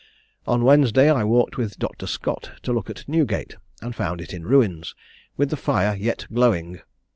"On Wednesday I walked with Dr. Scott, to look at Newgate, and found it in ruins, with the fire yet glowing.